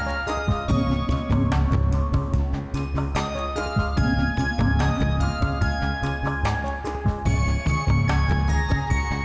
paranya undang undang rem kunna